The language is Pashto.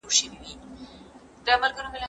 ماشوم غوښتل چې د انا سترگو ته وگوري.